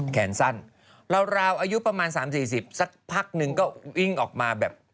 แขนสั้นราวอายุประมาณ๓๔๐สักพักนึงก็วิ่งออกมาแบบ